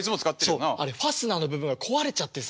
そうあれファスナーの部分が壊れちゃってさ。